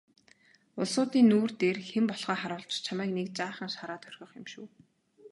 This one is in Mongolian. Улсуудын нүүр дээр хэн болохоо харуулж чамайг нэг жаахан шараад орхих юм шүү.